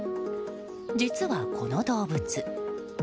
実はこの動物。